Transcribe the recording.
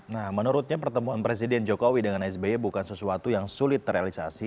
nah menurutnya pertemuan presiden jokowi dengan sby bukan sesuatu yang sulit terrealisasi